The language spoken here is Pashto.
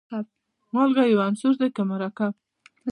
مالګه یو عنصر دی که مرکب.